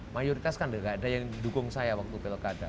mayoritas kan enggak ada yang mendukung saya waktu pilkada